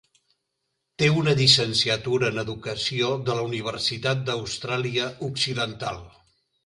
Té una llicenciatura en Educació de la Universitat d'Austràlia Occidental.